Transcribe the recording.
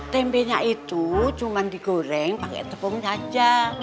tempenya itu cuma digoreng pakai tepung saja